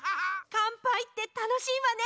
かんぱいってたのしいわね！